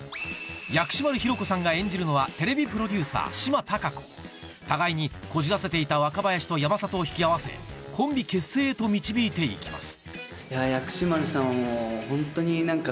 薬師丸ひろ子さんが演じるのはＴＶプロデューサー島貴子互いにこじらせていた若林と山里を引き合わせコンビ結成へと導いていきます